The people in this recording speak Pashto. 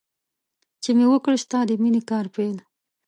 چې مې وکړ ستا د مینې کار پیل.